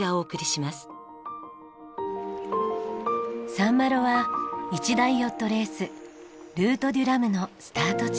サンマロは一大ヨットレースルートデュラムのスタート地。